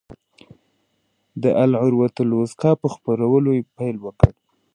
د العروة الوثقی په خپرولو پیل وکړ.